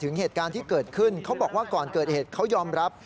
เหตุการณ์ที่เกิดขึ้นเขาบอกว่าก่อนเกิดเหตุเขายอมรับ